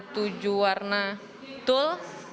tujuh warna tul